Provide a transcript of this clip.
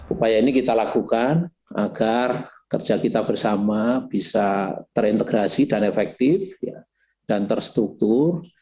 upaya ini kita lakukan agar kerja kita bersama bisa terintegrasi dan efektif dan terstruktur